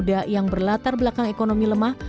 bagi generasi muda yang berlatar belakang ekonomi lemah